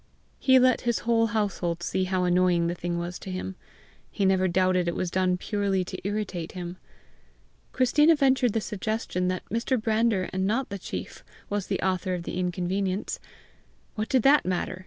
He let his whole household see how annoying the thing was to him. He never doubted it was done purely to irritate him. Christina ventured the suggestion that Mr. Brander and not the chief was the author of the inconvenience. What did that matter!